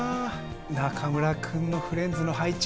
中村くんのフレンズの配置